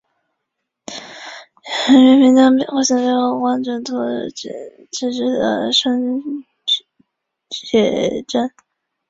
人员名单和歌词背后是高光泽度纸质的生写真。